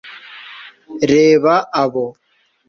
reba abo